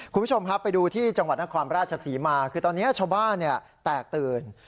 คุณผู้ชมครับไปดูที่จังหวัดนครราชศรีมาคือตอนนี้ชาวบ้านแตกตื่น